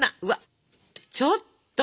ちょっと！